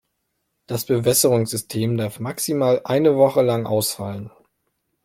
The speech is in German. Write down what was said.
Das Bewässerungssystem darf maximal eine Woche lang ausfallen.